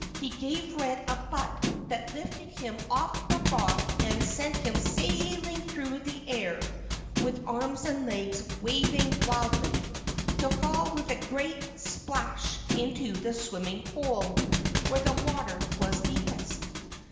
He gave Red a butt that lifted him off the rock and sent him sailing through the air with arms and legs waving wildly, to fall with a great splash into the swimming hole, where the water was deepest.